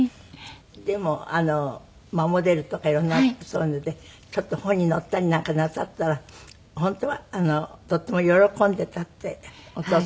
でもモデルとか色んなそういうのでちょっと本に載ったりなんかなさったら本当はとっても喜んでいたってお父様。